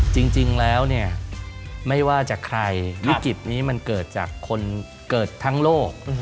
จริงแล้วเนี่ยไม่ว่าจากใครวิกฤตนี้มันเกิดจากคนเกิดทั้งโลก